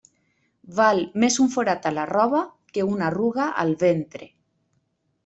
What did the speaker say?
Val més un forat a la roba que una arruga al ventre.